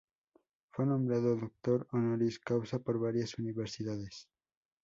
Fue nombrado doctor honoris causa por varias universidades.